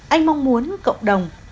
anh mong muốn cộng đồng